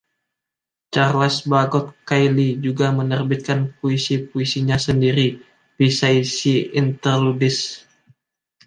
Charles Bagot Cayley juga menerbitkan puisi-puisinya sendiri, "Psyche's Interludes".